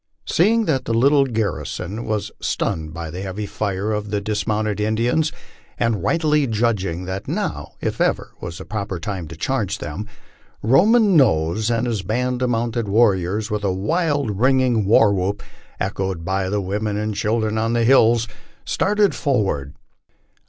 Seeing that the little garrison was stunned by the heavy fire of the dis mounted Indians, and rightly judging that now, if ever, was the proper time to charge them, Roman Nose and his band of mounted warriors, with a wild, ringing war whoop, echoed by the women and children on the hills, started forward.